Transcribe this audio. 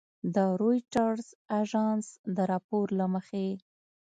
د رویټرز اژانس د راپور له مخې